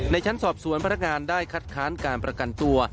ชั้นสอบสวนพนักงานได้คัดค้านการประกันตัว